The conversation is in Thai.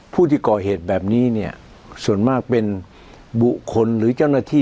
ผู้ที่ก่อเหตุแบบนี้เนี่ยส่วนมากเป็นบุคคลหรือเจ้าหน้าที่